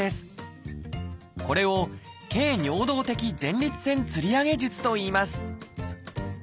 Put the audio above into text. これを「経尿道的前立腺吊り上げ術」といいます